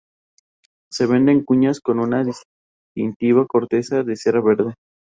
Se vende en cuñas con una distintiva corteza de cera verde.